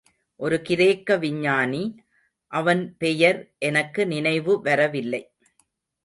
ஒரு கிரேக்க விஞ்ஞானி, அவன் பெயர் எனக்கு நினைவு வரவில்லை.